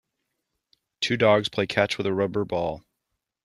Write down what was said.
Two dogs play catch with a rubber ball.